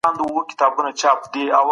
د نورو په دين مسخرې کول ستره ګناه بلل کيږي.